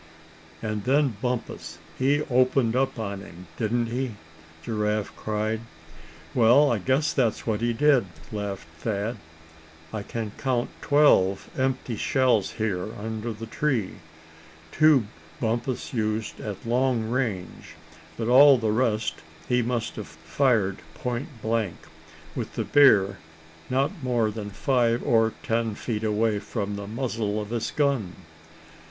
"And then Bumpus, he opened on him, didn't he?" Giraffe cried. "Well, I guess that's what he did," laughed Thad. "I can count twelve empty shells here under the tree. Two Bumpus used at long range, but all the rest he must have fired point blank, with the bear not more than five or ten feet away from the muzzle of his gun."